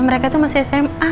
mereka tuh masih sma